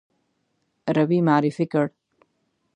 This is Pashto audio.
روی معرفي کړ.